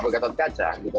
gatot kaca gitu kan